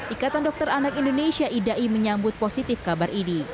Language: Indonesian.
ikatan dokter anak indonesia idai menyambut positif kabar ini